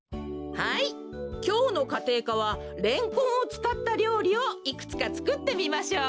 はいきょうのかていかはレンコンをつかったりょうりをいくつかつくってみましょう。